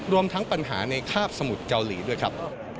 รวมทั้งปัญหาในคาบสมุทรเกาหลีด้วยครับ